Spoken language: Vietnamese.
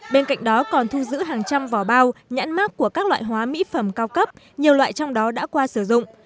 bên cạnh đó còn thu giữ hàng trăm vỏ bao nhãn mát của các loại hóa mỹ phẩm cao cấp nhiều loại trong đó đã qua sử dụng